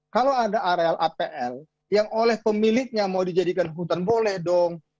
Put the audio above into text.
kalau ada areal apl yang oleh pemiliknya mau dijadikan hutan boleh dong